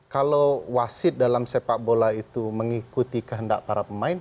kalau wasit dalam sepak bola itu mengikuti kehendak para pemain